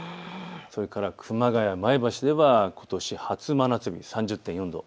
それから熊谷、前橋ではことし初真夏日、３０．４度。